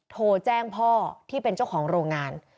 โทรแจ้งพ่อที่เป็นเจ้าของโรงงาน